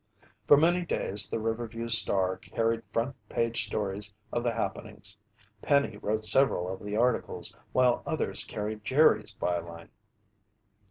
For many days the Riverview Star carried front page stories of the happenings. Penny wrote several of the articles, while others carried Jerry's byline.